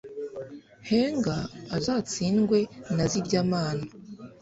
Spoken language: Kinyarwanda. henga azatsindwe na zirya mana